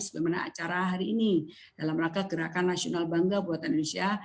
sebagaimana acara hari ini dalam rangka gerakan nasional bangga buatan indonesia